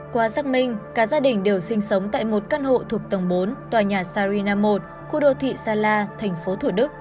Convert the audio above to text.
qua xác minh cả gia đình đều sinh sống tại một căn hộ thuộc tầng bốn tòa nhà sarina một khu đô thị sa la thành phố thủ đức